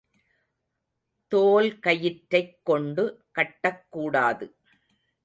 தோல்கயிற்றைக் கொண்டு கட்டக்கூடாது.